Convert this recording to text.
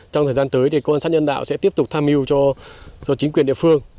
trong thời gian tới thì công an xã nhân đạo sẽ tiếp tục tham mưu cho chính quyền địa phương